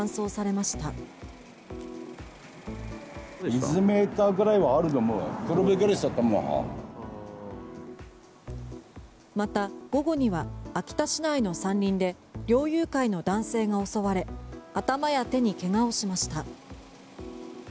また、午後には秋田市内の山林で猟友会の男性が襲われ頭や手に怪我をしました。